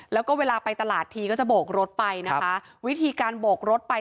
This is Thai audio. แล้วก็เวลาไปตลาดทีก็จะโบกรถไปนะคะวิธีการโบกรถไป